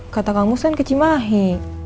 kata kamu kan ke cimahi